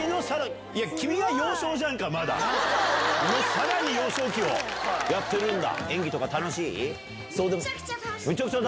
さらに幼少期をやってるんだ。